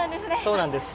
そうなんです。